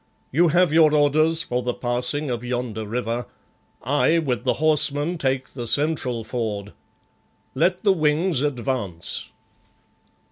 You have your orders for the passing of yonder river. I, with the horsemen, take the central ford. Let the wings advance."